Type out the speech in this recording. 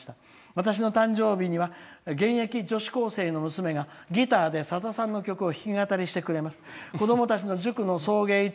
私の誕生日には現役女子高生の娘がギターで、さださんの曲を弾き語りしてくれます。